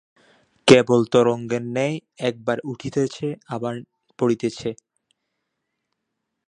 কেবল তরঙ্গের ন্যায় একবার উঠিতেছে, আবার পড়িতেছে।